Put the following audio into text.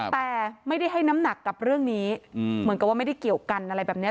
แต่ไม่ได้ให้น้ำหนักกับเรื่องนี้เหมือนกับว่าไม่ได้เกี่ยวกันอะไรแบบนี้